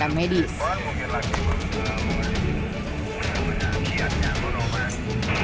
dan perawatan medis